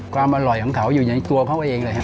ความอร่อยของเขาอยู่ในตัวเขาเองเลยครับ